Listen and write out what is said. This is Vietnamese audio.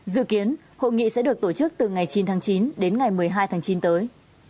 dự kiến hội nghị sẽ được tổ chức từ ngày chín tháng chín đến ngày một mươi hai tháng chín tới